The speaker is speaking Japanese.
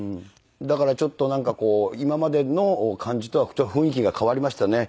だからちょっと今までの感じとは雰囲気が変わりましたね。